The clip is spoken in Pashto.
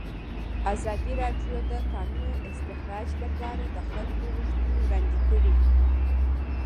ازادي راډیو د د کانونو استخراج لپاره د خلکو غوښتنې وړاندې کړي.